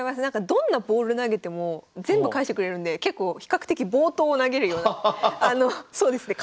どんなボール投げても全部返してくれるんで結構比較的暴投を投げるようなそうですね